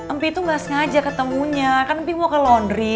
empi itu gak sengaja ketemunya kan empi mau ke laundry